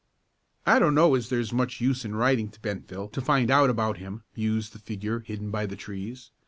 "I don't know as there's much use in writing to Bentville to find out about him," mused the figure hidden by the trees.